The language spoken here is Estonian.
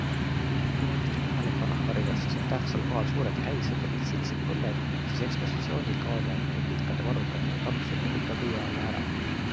Kui näiteks Pühalepa rahvarõivastes on tähtsal kohal suured käised ja pitsilised põlled, siis ekspositsioonil kaovad need pikkade varrukatega kampsuni ja pika kuue alla ära.